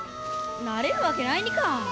なれるわけないにか。